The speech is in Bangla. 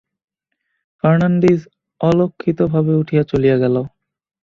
ফর্নান্ডিজ অলক্ষিতভাবে উঠিয়া চলিয়া গেল।